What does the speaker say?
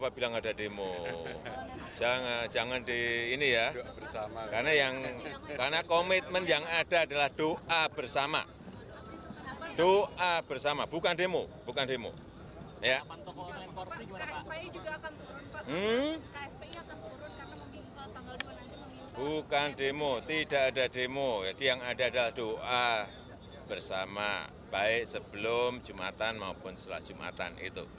bukan demo tidak ada demo jadi yang ada adalah doa bersama baik sebelum jumatan maupun setelah jumatan